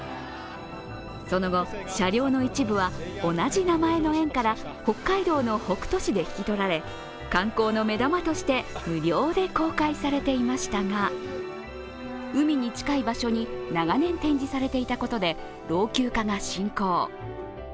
その後、車両の一部は同じ名前の縁から北海道の北斗市で引き取られ、観光の目玉として無料で公開されていましたが海に近い場所に長年展示されていたことで老朽化が進行。